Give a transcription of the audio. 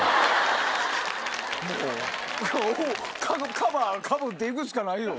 カバーかぶって行くしかないよ